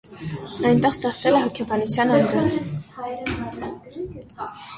Այնտեղ ստեղծել է հոգեբանության ամբիոն։